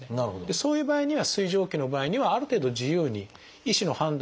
そういう場合には水蒸気の場合にはある程度自由に医師の判断でですね